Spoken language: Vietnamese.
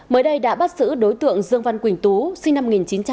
mới đây đã bắt xử đối tượng dương văn quỳnh tú sinh năm một nghìn chín trăm chín mươi một